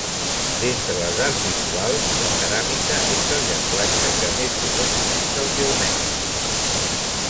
D'entre les arts visuals, la ceràmica és el llenguatge que més bé documenta el geomètric.